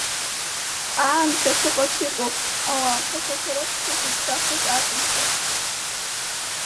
Аамҭа шыҟац иҟоуп, ауаа рхаҭақәа роуп зҽызыԥсахыз акәымзар!